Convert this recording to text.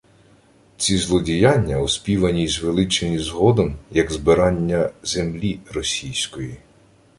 Ці злодіяння оспівані й звеличені згодом як «збирання землі російської»